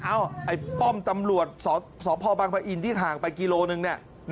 อ้าวไอ้ป้อมตำรวจสภบังพะอินที่ห่างไปกิโลนึง